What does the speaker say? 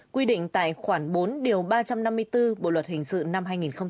quy định tại khoảng bốn điều ba trăm năm mươi bốn bộ luật hình sự năm hai nghìn một mươi năm